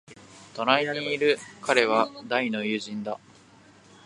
隣にいる彼は大の友人だ。